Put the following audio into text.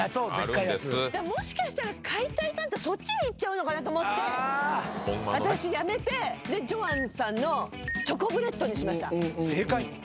もしかしたら買いたいそっち行っちゃうのかなと思って私やめてジョアンさんのチョコブレッドにしました。